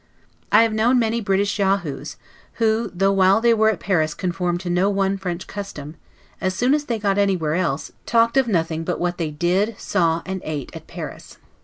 I have known many British Yahoos, who though while they were at Paris conformed to no one French custom, as soon as they got anywhere else, talked of nothing but what they did, saw, and eat at Paris.